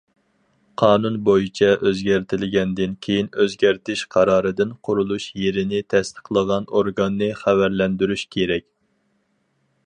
قانۇن بويىچە ئۆزگەرتىلگەندىن كېيىن، ئۆزگەرتىش قارارىدىن قۇرۇلۇش يېرىنى تەستىقلىغان ئورگاننى خەۋەرلەندۈرۈش كېرەك.